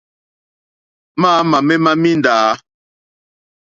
Mǎǃáámà mémá míndǎ.